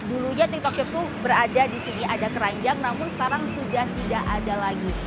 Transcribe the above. dulunya tiktok shop itu berada di sini ada keranjang namun sekarang sudah tidak ada lagi